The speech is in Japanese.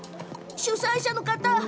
主催者の方！